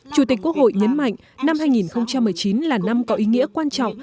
chủ tịch quốc hội nhấn mạnh năm hai nghìn một mươi chín là năm có ý nghĩa quan trọng